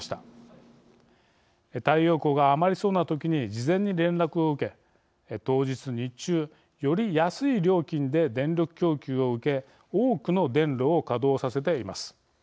太陽光が余りそうな時に事前に連絡を受け当日日中より安い料金で電力供給を受け多くの電炉を稼働させています。